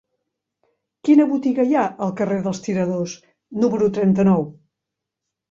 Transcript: Quina botiga hi ha al carrer dels Tiradors número trenta-nou?